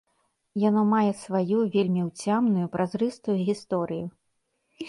Яно мае сваю вельмі ўцямную празрыстую гісторыю.